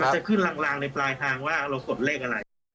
จะขึ้นลางในปลายทางว่าเรากดเลขอะไร